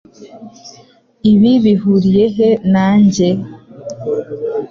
Ibi bihuriye he nanjye?